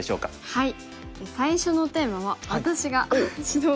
はい。